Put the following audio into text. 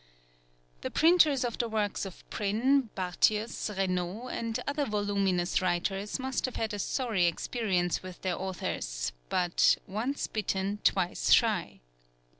The printers of the works of Prynne, Barthius, Reynaud, and other voluminous writers must have had a sorry experience with their authors; but "once bitten twice shy."